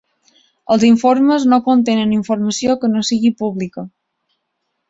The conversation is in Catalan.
Els informes no contenen informació que no sigui pública.